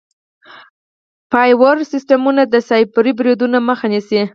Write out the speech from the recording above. فایروال سیسټمونه د سایبري بریدونو مخه نیسي.